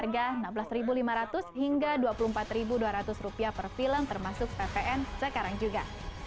rp satu lima ratus hingga rp dua puluh empat dua ratus per film termasuk tvn sekarang juga